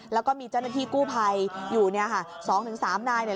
แล้วก็มีเจ้าหน้าที่กู้ภัยอยู่นี่อ่ะสองถึงสามนายเนี่ย